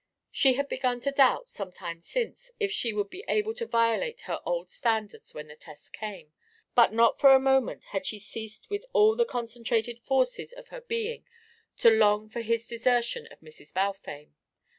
She had begun to doubt, some time since, if she would be able to violate her old standards when the test came; but not for a moment had she ceased with all the concentrated forces of her being to long for his desertion of Mrs. Balfame.